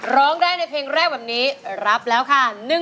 ร้องได้ในเพลงแรกแบบนี้รับแล้วค่ะ